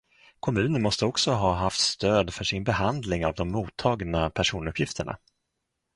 Kommunen måste också ha haft stöd för sin behandling av de mottagna personuppgifterna.